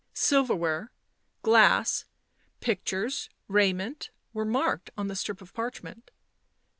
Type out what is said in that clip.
Silver ware, glass, pictures, raiment, were marked on the strip of parchment.